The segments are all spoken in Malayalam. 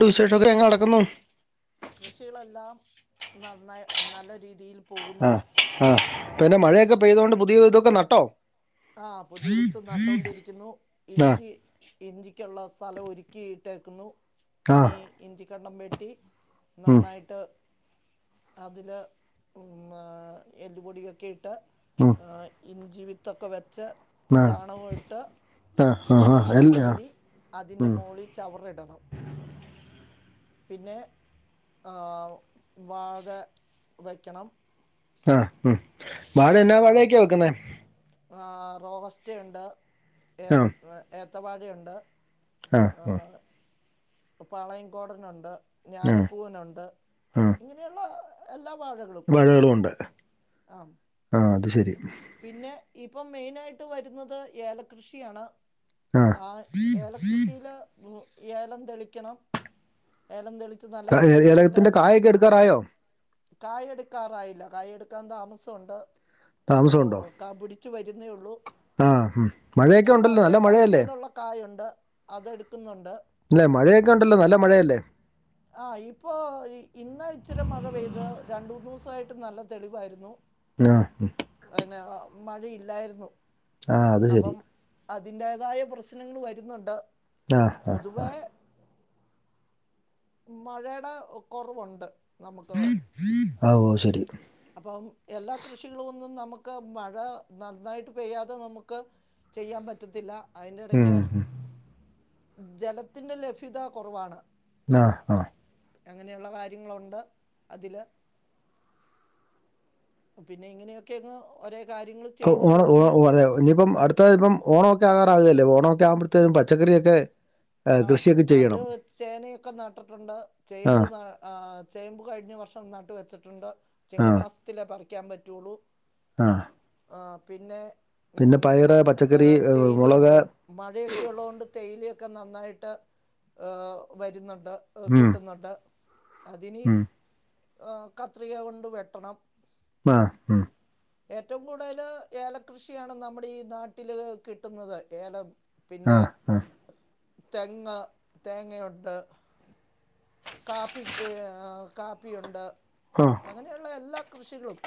ടൂസേഷ [unintelligible] ഒക്കെ എങ്ങനെ നടക്കുന്നു? കൃഷികളെല്ലാം നന്നായി നല്ല രീതിയിൽ പോകുന്നു അഹ് അഹ് പിന്നെ ആഹ് മഴയൊക്കെ പെയ്തോണ്ട് പുതിയ വിത്തൊതൊക്കെ നട്ടോ? ആ പുതിയ വിത്തും നട്ടോൊണ്ടിരിക്കുന്നു. ആ ഇഞ്ചി- ഇഞ്ചിക്കുള്ള സ്ഥലം ഒരുക്കി ഇട്ടേക്കുന്നു ആ ഇനി ഇഞ്ചി കണ്ടം വെട്ടി ഉം, നന്നായിട്ട്- അതില് ഉമ്മ് എല്ലുപൊടിയൊക്കെ ഇട്ട് ം ആ ഇഞ്ചി വിത്തൊക്കെ വെച്ച് ചാണകോ ഇട്ട് അ ഹാ അത് മൂടി അതിന്റെ മോളിൽ ചവറിടണം. പിന്നെ ് വാഴ വയ്ക്കണം. അ ം മവാഴ എന്നാ വാഴേക്കെ വെക്കുന്നേ? ആഹ് റോബസ്റ്റുണ്ട് ഏ ആ ഏത്തവാഴേയുണ്ട്. ആ ആ, ആഹ് പാളയംകോടനുണ്ട് ആ ഞാലിപ്പൂവനൊണ്ട് ഇങ്ങനെയുള്ള എല്ലാ വാഴകളും. വാഴകളൂണ്ട് ആ ആഹ് അത് ശരി. പിന്നെ ഇപ്പം മെയിനായിട്ട് വരുന്നത് ഏലകൃഷിയാണ് ആ ആഹ് ഏല കൃഷിയില് ം ഏലം തെളിക്കണം. ഏലം തെളിച്ച് നല്ല ക- ഏ- വൃത്തിയായിട്ട് ഏലത്തിന്റെ കായൊക്കെ എടുക്കാറായോ കായെടുക്കാറായില്ല. കായെടുക്കാൻ താമസോണ്ട്. മോ താമസമുണ്ടോ കാംപിടിച്ചു വരുന്നേള്ളൂ ആ ഉം, മഴയൊക്കെ പിന്നെ ഉണ്ടല്ലോ പഴേ നല്ല മഴയല്ലേ സ്ഥലത്തേലുള്ള കായുണ്ട് അതെടുക്കുന്നുണ്ട്. ഇല്ലെ മഴയൊക്കെ ഉണ്ടല്ലോ നല്ല മഴയല്ലേ? [inaudible] ആ ഇപ്പോ ഇന്ന് ഇച്ചിരി മഴ പെയ്തത് രണ്ടൂന്നൂസായിട്ട് നല്ല തെളിവായിരുന്നു. ആഹ് ഹ് അതന്നെ അ ഒ മഴയില്ലായിരുന്നു ആ അത് ശരി അപ്പം അതിന്റേതായ പ്രസ്നങ്ങള് വരുന്നുണ്ട് ആ ആ ആ പൊതുവേ മഴയുടെ കൊറവുണ്ട് നമ്മുക്ക് ആ ഓ ശരി അപ്പം എല്ലാം കൃഷികളും ഒന്നും നമുക്ക് മഴ നന്നായിട്ട് പെയ്യാതെ നമുക്ക് ചെയ്യാൻ പറ്റത്തില്ല അയിന്റെടയ്ക്ക് ഉം, ഉം, ഉം ജലത്തിന്റെ ലഭ്യത കുറവാണ് ആഹ് ആഹ് അങ്ങനെയുള്ള കാര്യങ്ങളുണ്ട് അതില് പിന്നെ ഇങ്ങനെയൊക്കെ അങ്ങ് ഒരേ കാര്യങ്ങള് അഹ് ഓ ഓ ഓ അതെ ഇനിയിപ്പം അടു ത്തെൽപ്പം ഓണൊക്കെ ആകാറാവല്ലേ ഓണൊക്കെ ആവുമ്പോടത്തേ പച്ചക്കറിയൊക്കെ ഏഹ് ആഹ് കൃഷിയൊക്കെ അത് ചെയ്യണം. ചേനയൊക്കെ നട്ടിട്ടുണ്ട് ചേമ്പ് ആഹ് ന ആഹ് ചേമ്പ് കഴിഞ്ഞ വർഷം നട്ട് വെച്ചിട്ടുണ്ട് ചിങ്ങ ആഹ് മാസത്തിലേ പറിക്കാൻ പറ്റുള്ളു ആഹ് ആഹ് പിന്നെ ഉം പിന്നെ ഏഹ് പയറ്, പച്ചക്കറി, ഏഹ് മുളക് തേയിലയുണ്ട് മഴയൊക്കെ ഉള്ളത് കൊണ്ട് തേയിലയൊക്കെ നന്നായിട്ട് ഏഹ് വരുന്നുണ്ട് എഹ് ഉം കിട്ടുന്നുണ്ട് അതിനി ഉം ഏഹ് കത്രിക കൊണ്ട് വെട്ടണം ആഹ് ഉം ഏറ്റവും കൂടുതല് ഏല കൃഷിയാണ് നമ്മുടെ ഈ നാട്ടില് കിട്ടുന്നത് ഏലം പിന്നെ ആഹ് ആഹ് തെങ്ങ് തേങ്ങയുണ്ട് കാപ്പി ഏഹ് ആഹ് കാപ്പിയുണ്ട് ആഹ് അങ്ങനെയുള്ള എല്ലാ കൃഷികളും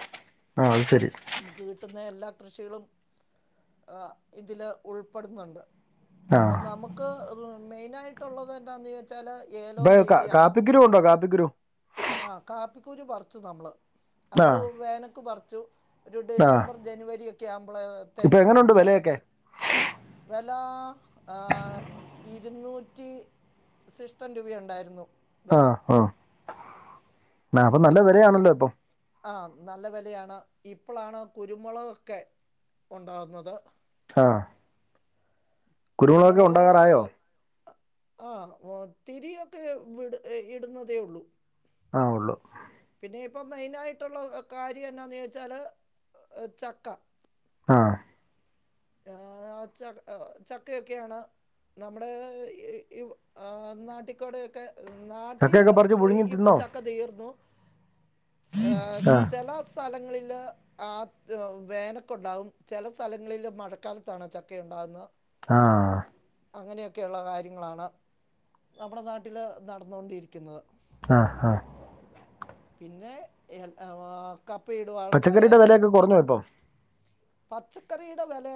ആഹ് അത് ശരി നമുക്ക് കിട്ടുന്ന എല്ലാ കൃഷികളും ഏഹ് ഇതില് ഉൾപ്പെടുന്നുണ്ട് അപ്പൊ ആഹ് നമുക്ക് മെയിൻ ആയിട്ടുള്ളത് എന്താന്ന് വെച്ചാല് ഏലോം ഇപ്പൊ തേയി കാ കാപ്പിക്കുരു ഉണ്ടോ കാപ്പികുരു ആഹ് കാപ്പിക്കൂരു പറിച്ചും നമ്മള് അത് ആഹ് വേനൽക്ക് പറിച്ചു ഒരു ആഹ് ഡിസംബർ ജനുവരി ഒക്കെ ഇപ്പൊ ആവുമ്പളേത്തേനൂ എങ്ങനുണ്ട് ആണത് വെലയൊക്കെ? വെലാ ആഹാ ഇരുന്നൂറ്റി സിസ്റ്റൻ രൂപയുണ്ടായിരുന്നു വില ആഹ് ആഹ് ആഹ് അപ്പൊ നല്ല വെലയാണല്ലോ ഇപ്പം ആഹ് നല്ല വെലയാണ് ഇപ്പളാണ് കുരുമുളകൊക്കെ ഉണ്ടാകുന്നത് [unintelligible] കുരുമുളകൊക്കെ കുരുമുളക് ഉണ്ടാകാറായോ? എഹ് ആഹ് ഒത്തിരിയൊക്കെ വിട് ഇടുന്നതേ ഉള്ളൂ ആഹ് ഉള്ളൂ പിന്നെ ഇപ്പം മെയിനായിട്ടുള്ള കാര്യം എന്താന്ന് ചോദിച്ചാല് ഏഹ് ചക്ക ആഹ് ഏഹ് ച ചക്കയൊക്കെയാണ് നമ്മുടേ ഈ ഈ ആഹ് നാട്ടിക്കോടെ ഒക്കെ നാട്ടില് ചക്കയൊക്കെ പറിച്ച് ഇ പുഴുങ്ങി ഇപ്പൊ തിന്നോ? ചക്ക തീർന്നു ഏഹ് ആഹ് ചെല സ് സ്ഥലങ്ങളില് ആഹ് ര് വേനൊക്കെ ഉണ്ടാകും ചെല സ്ഥലങ്ങളിലും മ ഇക്കാലത്താണോ ചക്കെയുണ്ടാവുന്നേ ആഹ് അങ്ങനെയൊക്കെയുള്ള കാര്യങ്ങളാണ് നമ്മടെ നാട്ടില് നടന്നൊണ്ടിരിക്കിന്നത് ആ ഹാ പിന്നെ എ വ അ കപ്പയിടും ആൾക്കാര് ഫുഡൊക്കെ കൊറഞ്ഞ് കിട്ടോ പച്ചക്കറിയുടെ വെല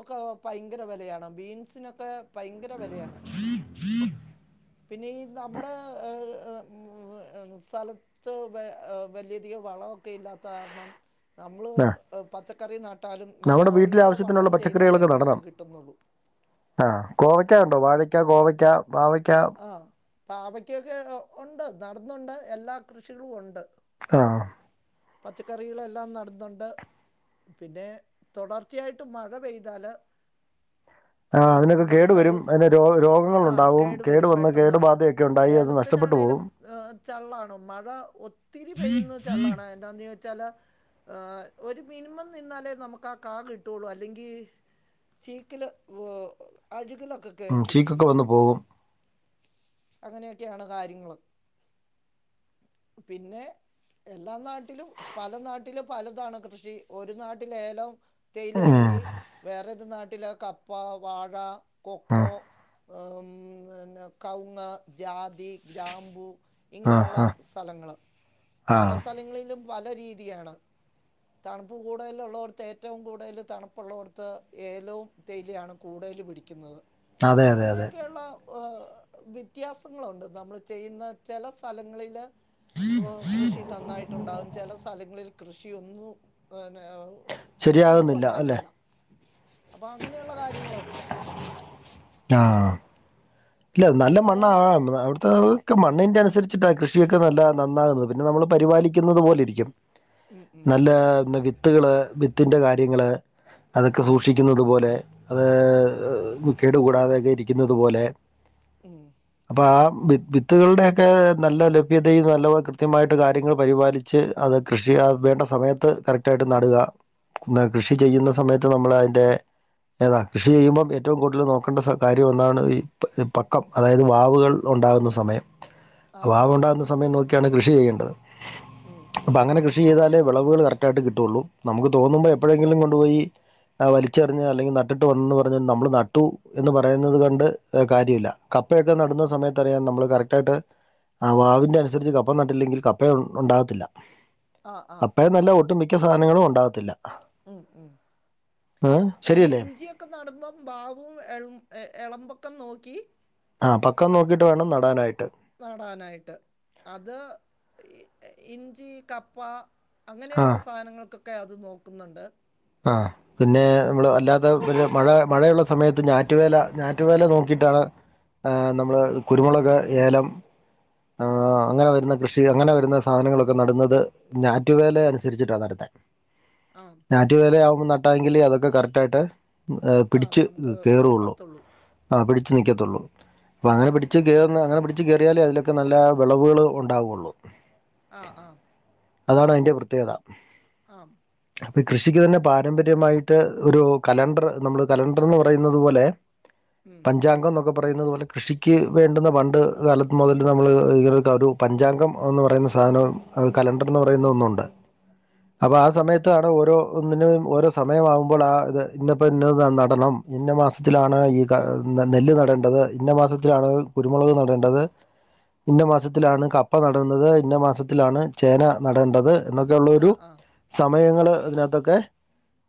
ഒക്കെ പയെങ്കര വെലയാണ് ബീൻസിനൊക്കെ പയെങ്കര വെലയാണ് [unintelligible] പിന്നെ ഈ നമ്മുടെ ഏഹ് എ ഹ് സ്ഥല ത്ത്‌ വലിയധികം വളവൊക്കെ ഇല്ലാത്ത കാരണം നമ്മള് ആ പച്ചക്കറി നാട്ട് ട്ടാലും നമ്മുടെ വീട്ടിലെ നല്ലെവല്ല വളം ആവശ്യത്തിനുള്ള ചെയ്താലേ പച്ചക്കറികളൊക്കെ നമുക്ക് നടണം കിട്ടുന്നുള്ളൂ ആ കോവയ്ക്ക യുണ്ടോ വാഴയ്ക്ക ഗോവയ്ക്ക പാവയ്ക്ക ആഹ് പാവയ്ക്ക്യാക്കെ ഉണ്ട് നടന്ന്ണ്ട് എല്ലാ കൃഷികളും ഉണ്ട് ആഹ് പച്ചക്കറികളെല്ലാം നടുന്നുണ്ട് പിന്നെ തുടർച്ചയായിട്ട് മഴ പെയ്താല് ആ അ അതിനൊക്കെ കേട് വരും നമുക്കതും അതിന് രോ ആ രോഗങ്ങളുണ്ടാവും കേട് കേടുവരും വന്ന് പെട്ടെന്ന് കേടുബാധയൊക്കെ ഉണ്ടായി അത് നഷ്ടപ്പെട്ടു ഏലത്തിനാണേലും പോകും ഏഹ് ചെള്ളാണ് മഴ ഒത്തിരി പെയ്യുന്ന ചെള്ളാണ് എന്താന്ന് വോച്ചാല് ഒരു മിനിമം നിന്നാലേ നമുക്ക് കാ കിട്ടുള്ളൂ അല്ലെങ്കി ചീക്ക്ല് വ് അഴുക് ലൊക്കെ കേർ ഉം, പിടിക്കും ചീക്കൊക്കെ വന്ന് പോകും അങ്ങനെയൊക്കെയാണ് കാര്യങ്ങള് പിന്നെ എല്ലാം നാ ട്ടിലും പല നാട്ടിലും പലതാണ് കൃഷി, ഒരു നാട്ടില് ഏലവും തേയില ഉം, ആണെങ്കി വേറെ ഏത് നാട്ടില് കപ്പ വാഴ ഉം, കൊക്കോ ഉം വിന്നെ കൗങ്ങ് ജാതി ഗ്രാമ്പു ആ ഇങ്ങനെയുള്ള ആ സ്ഥലങ്ങള് ആ പല സ്ഥലങ്ങളിലും പല രീതിയാണ് തണ്പ്പ് കൂടുതലുള്ളോടത്ത് ഏറ്റവും കൂടുതൽ തണുപ്പുള്ളോടത്ത് ഏലവും തേയിലയും ആണ് കൂടുതൽ പിടിക്കുന്നത് അതെ അതെ അതെ അങ്ങനെയൊക്കെയുള്ള ഏഹ് വ്ത്യാസങ്ങളുണ്ട് നമ്മ്ള് ചെയ്യുന്ന ചെല സ്ഥലങ്ങളിലെ ഓഹ് കൃഷി നന്നായിട്ടുണ്ടാകും ചില സ്ഥലങ്ങളി ല് കൃഷി ഒന്നും ഏഹ് ന്നെ വെ ഒന്നും ശരിയാകുന്നില്ല അല്ലേ ഉണ്ടാകേല അപ്പൊ അങ്ങനെയുള്ള കാര്യങ്ങളുണ്ട് ആ ഇല്ല നല്ലെ പിന്നെ മണ്ണാ അവ്ടുത്തെത് ഒക്കെ മണ്ണിൻ്റെ അനുസരിച്ചിട്ടാ കൃഷിയൊക്കെ നല്ല നന്നാവുന്നത് പിന്നെ നമ്മള് പരിപാലിക്കുന്നത് പോലെ ഇരിക്കും ഉം ഉം നല്ലെ വിത്തുകള് വിത്തിന്റെ കാര്യങ്ങള് അതൊക്കെ ആ സൂക്ഷിക്കുന്നത് പോലെ അതേ കേട് കൂടാതെക്കെ ഇരിക്കിന്നത് പോലെ ഉം അപ്പാ ആ വി വിത്തുകളുടെയൊക്കെ നല്ല ലഭ്യതയും നല്ല കൃത്യമായിട്ട് കാര്യങ്ങൾ പരിപാലി ച്ച് അത് കൃഷി അത് വേണ്ട സമയത്ത് കറക്റ്റായിട്ട് നടുക കൃഷി ഉം ചെയ്യുന്ന സമയ ത്ത് നമ്മൾ അയിൻ്റെ ഏതാ കൃഷി ചെയ്യുമ്പോൾ ഏറ്റവും കൂടുതൽ നോക്കേണ്ട കാര്യം ഒന്നാണ് ഈ ഇപ്പ് പ്പക്കം അതായത് വാവുകൾ ഉണ്ടാകുന്ന സമയം ആ വാവുണ്ടാവുന്ന സമയം നോക്കിയാണ് കൃഷി ചെയ്യേണ്ടത് ഉം അപ്പൊ ഉം അങ്ങനെ കൃഷി ചെയ്താലേ വിളവുകൾ കറക്റ്റായിട്ട് കിട്ടുവൊള്ളൂ നമ്ക്ക് തോന്നുമ്പോ അതെ എപ്പോഴെങ്കിലും കൊണ്ടു പോയി ആ വലിച്ചെറിഞ്ഞ് അല്ലങ്കിൽ നട്ടിട്ട് വന്ന നമ്മള് നട്ടു എന്ന് പറയുന്നത് കൊണ്ട് കാര്യവില്ല കപ്പയൊക്കെ നടുന്ന സമയെ ത്ത് അറിയാം നമ്മള് കറക്റ്റായിട്ട് ആ ഉം വാവിന്റെ അനുസരിച്ച് കപ്പ നട്ടില്ലെങ്കിൽ കപ്പ ഉണ്ടാകത്തില്ല ആ ആ അപ്പേംനല്ല ഒട്ടുമിക്ക സാനങ്ങളു ണ്ടാവത്തില്ല ഉം ഉം പിന്നെ ശരിയല്ലേ ഇഞ്ചി ക്ക നട്ന്നം ഭാവും എളും എഹ് എളമ്പൊക്ക നോക്കി ആഹ് പക്കം നോക്കീട്ട് വേണം നടാനായിട്ട് നടാനായിട്ട് അത് ഇ ഇഞ്ചി കപ്പ ആ അങ്ങനെയ്ള്ള സാധനങ്ങൾക്കൊക്കെ അത് നോക്കുന്നുണ്ട് ആഹ് പിന്നെ മ്ള് അല്ലാത്ത പിന്നെ മഴ മഴയുള്ള സമയത്ത് ഞാറ്റുവേല ഞാറ്റുവേല നോക്കിയിട്ടാണ് ആഹ് നമ്ള് കുരുമുളക് ഏലം ആഹ് അങ്ങനെ വര്ന്ന കൃഷിക അങ്ങനെ വരുന്ന സാധനങ്ങളൊക്കെ നട്ന്നത് ഞാറ്റുവേല അനുസരിച്ചിട്ടാ നട്ന്നെ ആഹ് ഞാറ്റുവേലയാവുമ്പോ നട്ടാ എങ്കിലേ അതൊക്കെ കരക്റ്റായ്ട്ട് ഉം എഹ് ആ പിടിച്ച് നമുക്ക് കേറൊള്ളൂ കിട്ടത്തുള്ളൂ ആഹ് പിടിച്ച് നിക്ക്യത്തുള്ളൂ ഉം പ്പഅങ്ങനെ പിടിച്ച്കേർന്ന അങ്ങനെ പിടിച്ച് കേറ്യാലേ അത്‌ലും ക്കനല്ല വെളവേള് ഉണ്ടാവുള്ളൂ ആഹ് ആഹ് അതാണ് അയ്ന്റെ പ്രത്യേകത ആം കൃഷിക്ക് തന്നെ പാരമ്പര്യമായിട്ട് ഒരു കലണ്ടർ നമ്മള് കലണ്ടർന്ന് പറയുന്നത് പോലെ ഉം ഉം പഞ്ചാങ്കം ന്നൊക്ക പറയുന്നത് പോലെ കൃഷിക്ക് വേണ്ടുന്ന പണ്ട് ഗാലത്ത് മുതൽ ഉണ്ട് നമ്ള് [unintelligible] ഒരു പഞ്ചാങ്കം ഒന്ന് പറയുന്ന സാധനം അത്കലണ്ടർന്ന് പറയുന്ന ഒന്നുണ്ട് അപ്പാ ആം ആഹ് സമയ ത്താണ് ഓരോ ഒന്നിനും ഓരോ സമയമാവുമ്പളാത് ഇന്നപ്പ ഇന്നത് നട് നടണം ഇന്നമാസ്ത്തിലാണ് ഈ ക ആം ന്നനെല്ല് നടേണ്ടത് ഇന്ന മാസത്തിലാണ് കുരുമുളക് നടേണ്ടത് ഇന്ന അതെ മാസത്തിലാണ് അതെ കപ്പ നടുന്നത് ഇന്ന മാസത്തിലാണ് ചേന നടേണ്ടത് ആ എന്നക്കെള്ളൊരു ആ സമയങ്ങൾ അതിനകത്തൊക്കെ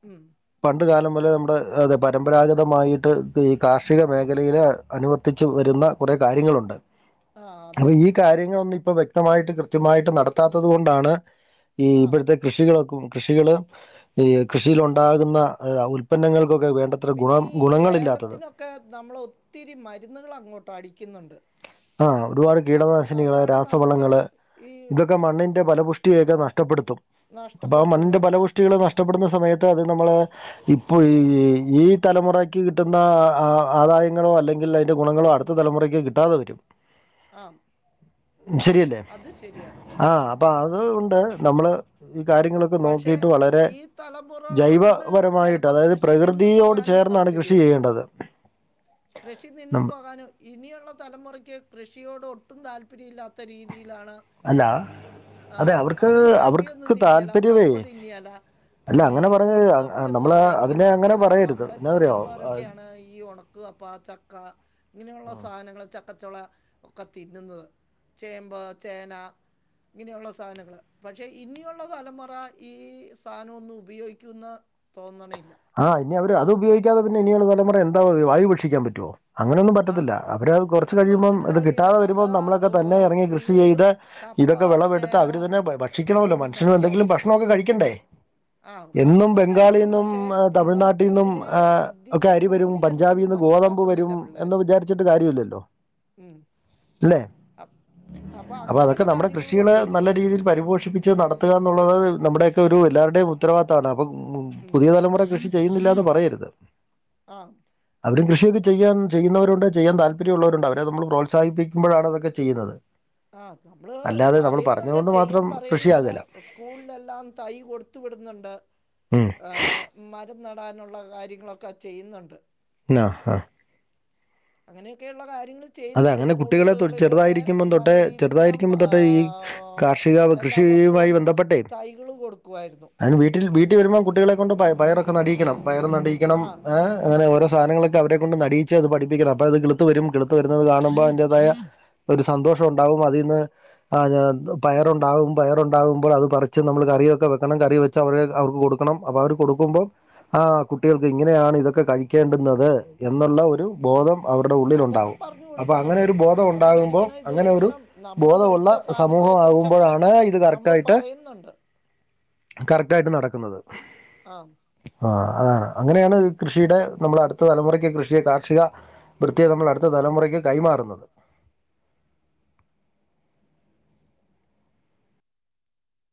ഉം പണ്ട് കാലം മുതലേ നമ്ടെ അതെ പരമ്പരാഗതമായീട്ട് ക്ക് ഈ കാർഷിക മേഖലയിലേ അനുവത്തിച്ച് വരുന്ന കൊറേ കാര്യങ്ങളുണ്ട് ആ അതെ അപഈ അതെ അതെ കാര്യങ്ങളൊന്നും ഇപ്പ വ്യക്തമായിട്ട് കൃത്യമായിട്ട് നടത്താത്തത് കൊണ്ടാണ് ഈ ആ ഇബ്ട്ത്തെ കൃഷി കളക്കും കൃഷികള് ഈ കൃഷിയിലുണ്ടാക്ന്ന ഉൽപന്നങ്ങൾക്കൊക്കെ വേണ്ട പിന്നീ ഏലത്തിനൊക്കെ നമ്മള് ഒത്തിരി മര്ന്നുകള് അങ്ങോട്ട് അടിക്ക്യുന്ന്ണ്ട് ആഹ് ഒരുപാട് കീടനാശിനികള് നമുക്ക് രാസവളങ്ങള് ഈ ഇതൊക്കെ മണ്ണിന്റെ പല പുഷ് ട്ടി യെക്കെ നഷ്ടപ്പെട്ത്തും അപ്പാ ആമണ്ണിന്റെ നഷ്ടപ്പെടുത്തുന്നുണ്ട് ഫലപുഷ്ട്യേള് നഷ്ടപ്പെട്ന്ന സമയത്ത് അത് നമ്മളെ ഇപ്പോ ഈ തലമുറയ്ക്ക് കിട്ടുന്ന അഹ് ആദായങ്ങളോ അല്ലങ്കിൽ അയ്ന്റെ ഗുണങ്ങളോ അട് ത്ത തലമുറയ്ക്ക് കിട്ടാതെവരും ആഹ് ശരിയല്ലേ ആഹ് അപ്പൊ അതുകൊണ്ട് നമ്മള് ഈ കാര്യങ്ങളൊക്കെ പക്ഷേ നോക്കിട്ട് വളരെ ഈ തലമുറ ജൈവ കൊണ്ട് പരമായിട്ട് ചിലപ്പോൾ അതായത് കൃഷി നിന്നു പ്രകൃതിയോട് പോകാനും ചേർന്നാണ് കൃഷി സാധ്യതയുണ്ട് ചെയ്യേണ്ടത് കൃഷി നിന്നു നമ്മ പോകാന് ഇനിയുള്ള തലമുറയ്ക്ക് കൃഷിയോട് ഒട്ടും താല്പര്യ ഇല്ലാത്ത രീതിയിലാണ് അല്ല അതെ ആഹ് അവർക്ക് അവര് ചക്കയൊന്നും അവർക്ക് തിന്ന്യേല താല്പര്യമേ കപ്പ തിന്ന്യേല അല്ല ഈ അങ്ങനെ പറഞ്ഞ ഉണക്കാപ്പിയൊന്നും നമ്മൾ അവര് അധികം അതിനെ അങ്ങനെ തിന്ന്യേല പറയരുത് എന്നാ അറിയോ നമ്മളെപ്പോലെയുള്ളവരൊ ക്ക്യായാണ് ഈ ഒണക് ക്വ പാചക്ക ഇങ്ങനെയുള്ള സാനങ്ങൾ ച ചക്കച്ചുള ഒക്കെ തിന്നുന്നത് ചേമ്പ് ചേന ഇങ്ങനെയുള്ള സാധനങ്ങള് പക്ഷേ ഇനിയൊള്ള തലമുറ ഈ സാനവൊന്നും ഉപയോഗിക്കുന്ന് തോന്നണില്ല ആഹ് ഇനി അവര് അത് ഉപയോഗിക്കാതെ പിന്നെ ഇനിയൊള്ള തലമുറ എന്താ വായു ഭക്ഷിക്കാൻ പറ്റുവോ അങ്ങനെയൊന്നും ആ പറ്റത്തില്ല അവര് അത് കുറച്ചു കഴിയുമ്പം പറഞ്ഞിട്ട് ഇത് കാര്യമില്ല കിട്ടാതെ പല വരുമ്പം നമ്മളൊക്കെ തന്നെ ഏഹ്, എറങ്ങി കൃഷി പിള്ളേരും ചെയ്ത് കപ്പ ഇതൊക്കെ വിളവെടുത്ത് ചേന അവര് തന്നെ ഭ ഏഹ്, ഭക്ഷിക്കണോല്ലോ മനുഷ്യന് എന്തെങ്കിലും ഭക്ഷണോക്കെ കഴിക്കണ്ടേ ആഹ് എന്നും ഭക്ഷണം ബംഗാളിൽ കഴിക്കണം നിന്നും പക്ഷെ ആ, തമിഴ്നാട്ടിൽ പിള്ളേർക്ക് നിന്നും ഇതിനെ ആ, ഒക്കെ ഇതിന്റെ അരി വരും മൂല്യം ന്താ ന്ന്മനസ്സിലാക്കുന്നില്ല പിള്ളേര് ചിട്ട് കാര്യവില്ലല്ലോ ഉം അല്ലെ അപ്- അപ്പൊ അതൊക്കെ അങ്ങനെയുള്ള നമ്മുടെ കാര്യങ്ങളും കൃഷികള് ഉണ്ട് നല്ല ഇതില് രീതിയിൽ പരിപോഷിപ്പിച്ച് നടത്തുക എന്നുള്ളത് നമ്മുടെയൊക്കെ ഒരു എല്ലാരുടെയും ഉത്തരവാത്തവാണ് അപ്പം ഉം പുതിയ തലമുറയിപ്പം കൃഷി ചെയ്യുന്നില്ലാന്ന് പറയരുത് ആഹ് അവരും കൃഷിയൊക്കെ ചെയ്യാൻ ചെയ്യുന്നവരൊണ്ട് ചെയ്യാൻ താല്പര്യവൊള്ളവരൊണ്ട് അവരെ നമ്മള് പ്രോത്സാഹിപ്പിക്കുമ്പോഴാണ് അതൊക്കെ ചെയ്യുന്നത് ആഹ് നമ്മള് അല്ലാതെ നമ്മൾ പറയുന്നൊണ്ട് പറഞ്ഞതുകൊണ്ട് ചെയ്യാൻ മാത്രം പറയുന്നൊണ്ട് കൃഷിയാകില്ല കൂളിലെല്ലാം തൈ കൊടുത്തു വിടുന്നൊണ്ട് ഉം ആഹ് മരംനടാനൊള്ള കാര്യങ്ങളൊക്കെ ചെയ്യുന്നൊണ്ട് ആഹ് ആഹ് അങ്ങനെയെക്കെയുള്ള കാര്യങ്ങള് അതെ ചെയ്യുന്നൊണ്ട് അങ്ങനെ കുട്ടികളെ തൊ- സ്കൂളുകളിലൊക്കെ ചെറുതായിരിക്കുമ്പം തൊട്ടേ നല്ല രീതിക്കെ മ് ചെറുതായിരിക്കുമ്പം തൊട്ടേ ഈ ആഹ് കാർഷിക എല്ലാ വർഷവും കൃഷിയുമായി ബന്ധപ്പെട്ടേ തൈകള് കൊടുക്കുവാരുന്നു അതിന് വീട്ടിൽ വീട്ടിൽ വരുമ്പം കുട്ടികളെ കൊണ്ട് പയ പയറൊക്കെ നടീക്കണം പയറു നടീക്കണം ആ ഏഹ് അങ്ങനെ ഓരോ സാനങ്ങളൊക്കെ ക്കെ അവരെ കൊണ്ട് നടീച്ചു അത് പഠിപ്പിക്കണം അത് കിളുത്ത് വരും കിളു ത്ത് വരുന്നത് കാണുമ്പോ അതിന്റേതായ ഒരു സന്തോഷം ഉണ്ടാവും അതീന്ന് ആ പയറൊണ്ടാവും പയറൊ ണ്ടാവുമ്പോൾ അത് പറിച്ച് നമ്മള് കറിയൊക്കെ വെക്കണം കറി വെച്ച് അവര് അവർക്ക് കൊടുക്കണം അപ്പൊ അവര് കൊടുക്കുമ്പം ആഹ് കുട്ടികൾക്ക് ഇങ്ങനെയാണ് ഇതൊക്കെ കഴിക്കേണ്ടുന്നത് എന്നൊള്ള ഒരു ആ ബോധം അവരുടെ അതൊക്കെ ഉള്ളിലൊണ്ടാവും പറഞ്ഞു അപ്പൊ അങ്ങനെ കൊടുക്കുന്നുണ്ട് ഒരു ബോധം അത് ഉണ്ടാകുമ്പം കഴിക്കണം ഇത് അങ്ങനെ ഒരു കഴിക്കണം നമ്മള് ബോധമുള്ള കഴിച്ച സമൂഹം ആകുമ്പോഴാണ് ഇത് കറക്റ്റ് ആയിട്ട് പറയുന്നൊണ്ട് കറക്റ്റ് ആയിട്ട് നടക്കുന്നത് ആഹ് ആഹ് അതാണ് അങ്ങനെയാണ് കൃഷിടെ നമ്മള് അടുത്ത തലമുറയ്ക്ക് കൃഷിയെ കാർഷിക അഭിവൃത്തിയെ നമ്മള് അടുത്ത തലമുറയ്ക്ക് കൈമാറുന്നത്